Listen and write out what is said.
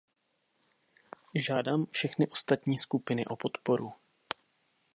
Žádám všechny ostatní skupiny o podporu.